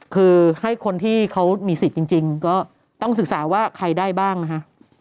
คือให้คนที่เขามีสิทธิ์จริงก็ต้องศึกษาว่าใครได้บ้างนะฮะ